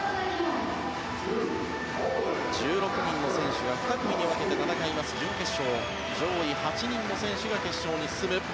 １６人の選手を２組に分けて戦います、準決勝上位８人の選手が決勝に進む。